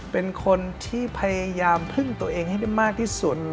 เป็นคนที่พยายามพึ่งตัวเองให้ได้มากที่สุด